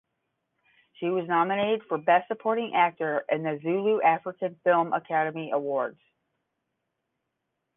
She was nominated for Best Supporting Actor in the Zulu African Film Academy Awards.